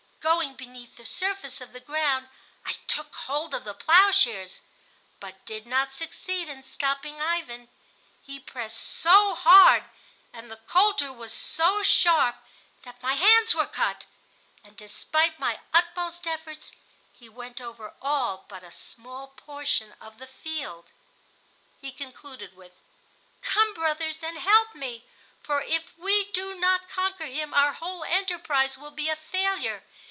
Going beneath the surface of the ground I took hold of the plowshares, but did not succeed in stopping Ivan. He pressed so hard, and the colter was so sharp, that my hands were cut; and despite my utmost efforts, he went over all but a small portion of the field." He concluded with: "Come, brothers, and help me, for if we do not conquer him our whole enterprise will be a failure.